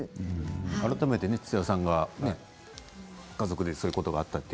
改めて土屋さんが家族でそういうことがあったって。